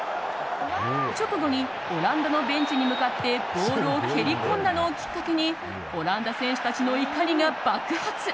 直後にオランダのベンチに向かってボールを蹴り込んだのをきっかけにオランダ選手たちの怒りが爆発。